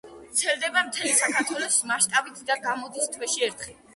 ვრცელდება მთელი საქართველოს მასშტაბით და გამოდის თვეში ერთხელ.